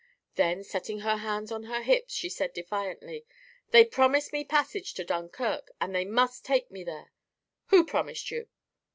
Then, setting her hands on her hips she said defiantly: "They promised me passage to Dunkirk, and they must take me there." "Who promised you?"